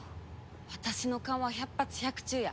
私の勘は百発百中や。